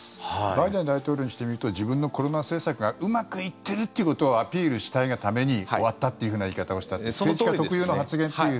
バイデン大統領にしてみると自分のコロナ政策がうまくいっているということをアピールしたいがために終わったというふうな言い方をした政治家特有の発言という。